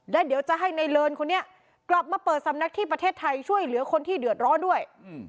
และเดี๋ยวจะให้ในเลินคนนี้กลับมาเปิดสำนักที่ประเทศไทยช่วยเหลือคนที่เดือดร้อนด้วย